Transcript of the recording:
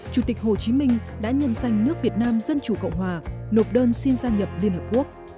chủ tịch hồ chí minh đã nhân danh nước việt nam dân chủ cộng hòa nộp đơn xin gia nhập liên hợp quốc